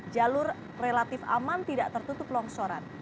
jalur relatif aman tidak tertutup longsoran